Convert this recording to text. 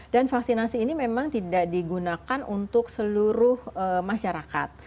dan vaksinasi ini memang tidak digunakan untuk seluruh masyarakat